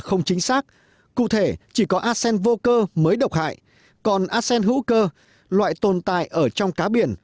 không chính xác cụ thể chỉ có asen vô cơ mới độc hại còn asen hữu cơ loại tồn tại ở trong cá biển